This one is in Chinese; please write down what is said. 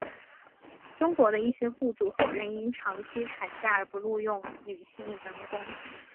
中国的一些雇主否认因长期产假而不录用女性员工。